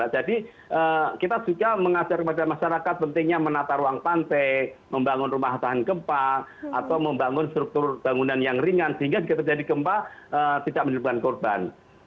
jadi kita juga mengajarkan masyarakat pentingnya menata ruang pantai membangun rumah tahan gempa atau membangun struktur bangunan yang ringan sehingga jika terjadi gempa tidak menyebabkan korban